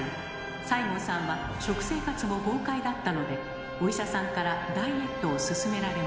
西郷さんは食生活も豪快だったのでお医者さんからダイエットを勧められました。